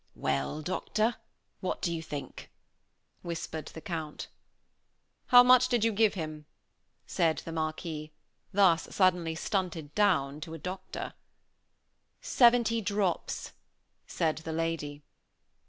"Well, doctor, what do you think?" whispered the Count. "How much did you give him?" said the Marquis, thus suddenly stunted down to a doctor. "Seventy drops," said the lady.